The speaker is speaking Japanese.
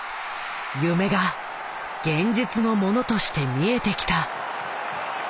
夢が現実のものとして見えてきた。